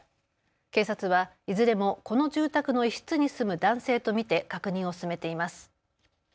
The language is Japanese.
警察はいずれもこの住宅の一室に住む男性と見て確認を進めています。